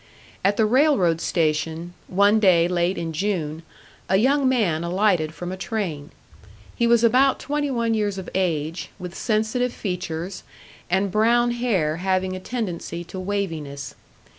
At the railroad station, one day late in June, a young man alighted from a train. He was about twenty one years of age, with sensitive features, and brown hair having a tendency to waviness.